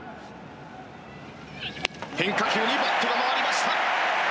変化球にバットが回りました！